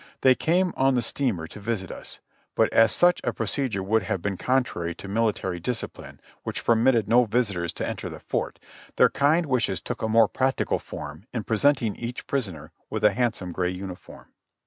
They came on the steamer to visit us, but as such a procedure would have been contrary to military discipline, which permitted no visitors to enter the Fort, their kind wishes took a more practical form in presenting each prisoner with a handsome gray uniform.